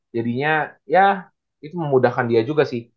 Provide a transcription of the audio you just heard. jadinya ya itu memudahkan dia juga sih